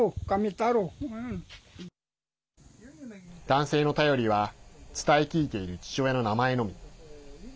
男性の頼りは伝え聞いている父親の名前のみ。